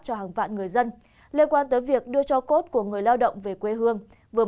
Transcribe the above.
cho hàng vạn người dân liên quan tới việc đưa cho cốt của người lao động về quê hương vừa